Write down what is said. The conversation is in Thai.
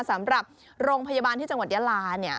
สำหรับโรงพยาบาลที่จังหวัดยาลาเนี่ย